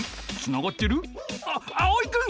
あっあおいくん！